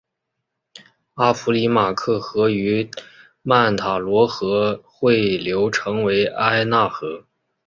阿普里马克河与曼塔罗河汇流成为埃纳河。